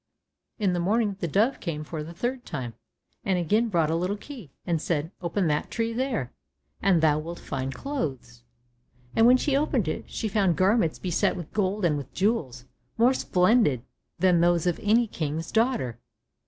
In the morning the dove came for the third time, and again brought a little key, and said, "Open that tree there, and thou wilt find clothes." And when she opened it, she found garments beset with gold and with jewels, more splendid than those of any king's daughter.